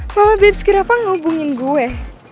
mama babes kenapa ngelubungin gue